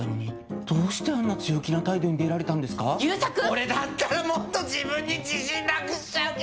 俺だったらもっと自分に自信なくしちゃうけどなぁ！